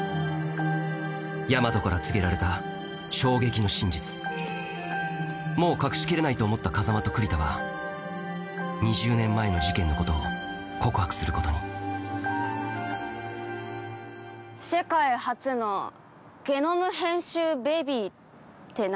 大和から告げられた衝撃の真実もう隠しきれないと思った風真と栗田は２０年前の事件のことを告白することに世界初のゲノム編集ベビーって何？